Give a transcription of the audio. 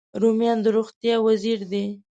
رومیان د روغتیا وزیر دی